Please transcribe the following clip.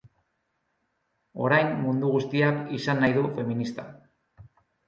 Orain mundu guztiak izan nahi du feminista